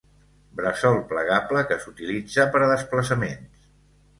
Bressol plegable que s'utilitza per a desplaçaments.